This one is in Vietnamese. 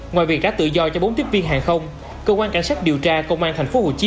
trong việc đá tự do cho bốn tiếp viên hàng không cơ quan cảnh sát điều tra công an thành phố hồ chí